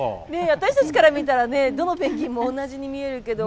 私たちから見たらねどのペンギンも同じに見えるけど。